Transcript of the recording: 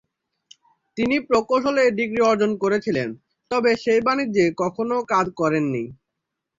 তিনি প্রকৌশলে ডিগ্রি অর্জন করেছিলেন তবে সেই বাণিজ্যে কখনও কাজ করেননি।